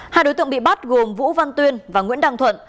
hai đối tượng bị bắt gồm vũ văn tuyên và nguyễn đăng thuận